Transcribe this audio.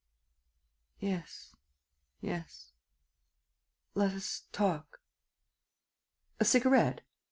"Yes, yes ... let us talk. ..." "A cigarette?"